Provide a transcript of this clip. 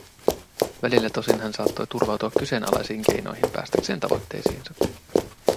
Välillä tosin hän saattoi turvautua kyseenalaisiin keinoihin päästäkseen tavoitteisiinsa.